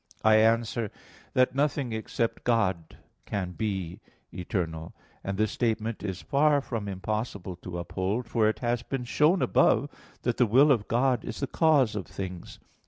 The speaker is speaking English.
I answer that, Nothing except God can be eternal. And this statement is far from impossible to uphold: for it has been shown above (Q. 19, A. 4) that the will of God is the cause of things.